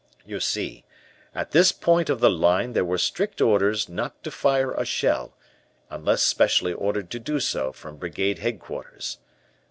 You see, at this point of the line there were strict orders not to fire a shell, unless specially ordered to do so from Brigade Headquarters.